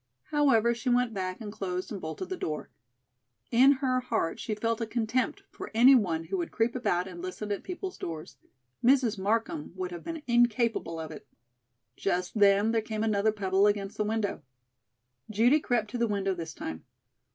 However, she went back, and closed and bolted the door. In her heart she felt a contempt for any one who would creep about and listen at people's doors. Mrs. Markham would have been incapable of it. Just then there came another pebble against the window. Judy crept to the window this time.